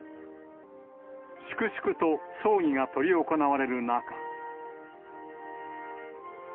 粛々と葬儀が執り行われる中。